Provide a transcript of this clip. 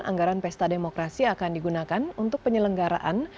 anggaran pesta demokrasi akan digunakan untuk penyelenggaraan